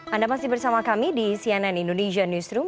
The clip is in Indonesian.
anda masih bersama kami di cnn indonesia newsroom